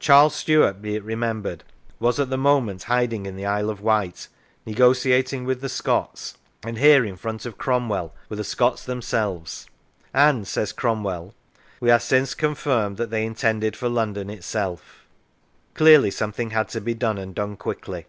Charles Stuart, be it remembered, was at the moment hiding in the Isle of Wight, negotiating with the Scots, and here in front of Cromwell were the Scots them selves, and (says Cromwell) " we are since confirmed that they intended for London itself." Clearly something had to be done, and done quickly.